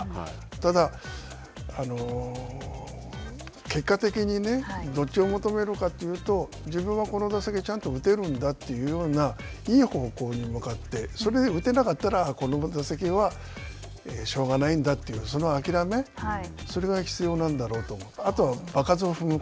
ただ、結果的にどっちを求めるかというと自分はこの打席、ちゃんと打てるんだというようないい方向に向かって、それで打てなかったら、この打席はしょうがないんだというその諦め、それが必要なんだろうと思う。